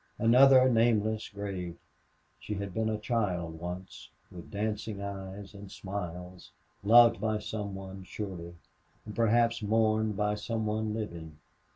Another nameless grave! She had been a child once, with dancing eyes and smiles, loved by some one, surely, and perhaps mourned by some one living.